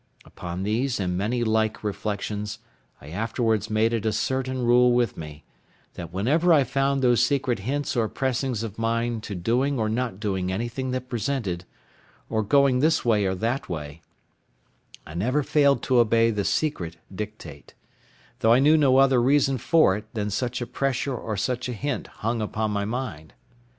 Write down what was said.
Upon these and many like reflections I afterwards made it a certain rule with me, that whenever I found those secret hints or pressings of mind to doing or not doing anything that presented, or going this way or that way, I never failed to obey the secret dictate; though I knew no other reason for it than such a pressure or such a hint hung upon my mind.